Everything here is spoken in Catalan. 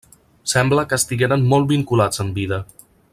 Sembla que estigueren molt vinculats en vida.